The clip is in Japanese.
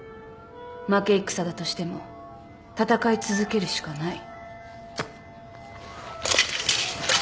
負け戦だとしても戦い続けるしかない。